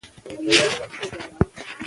پښتو ګرانه ده!